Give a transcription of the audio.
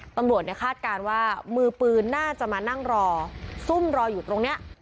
ตำรวจคาดการณ์ว่ามือปืนน่าจะมานั่งรอซุ่มรออยู่ตรงนี้